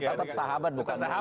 tetap sahabat bukan